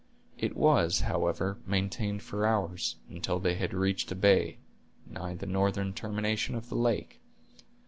It was, however, maintained for hours, until they had reached a bay, nigh the northern termination of the lake.